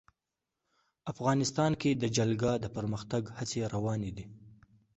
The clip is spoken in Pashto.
افغانستان کې د جلګه د پرمختګ هڅې روانې دي.